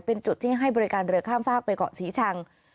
เป็นจุดที่ให้บริการเรือข้ามฝากไปเกาะศรีชัง